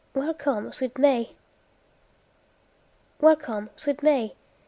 Welcome, sweet May! Welcome, sweet May!